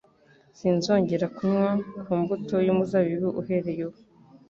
“Sinzongera kunywa ku mbuto z’umuzabibu uhereye ubu ,